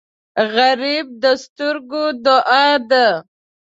غریب د سترګو دعا ده